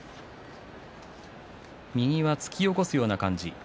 右は突き起こすような感じ。